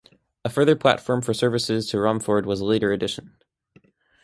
A further platform for services to Romford was a later addition.